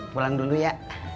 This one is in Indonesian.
pulang dulu ya